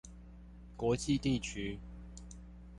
國際地區